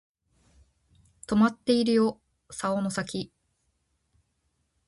とまっているよ竿の先